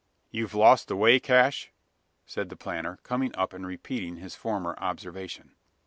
"You've lost the way, Cash?" said the planter, coming up and repeating his former observation.